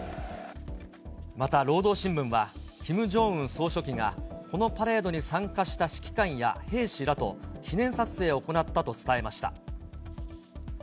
また労働新聞は、キム・ジョンウン総書記が、このパレードに参加した指揮官や兵士らと記念撮影を行ったと伝えました。